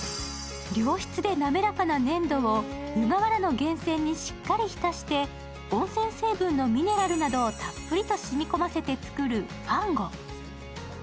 良質で滑らかな粘土を湯河原の源泉にしっかり浸して温泉成分のミネラルなどをたっぷりとしみ込ませて作るファンゴ。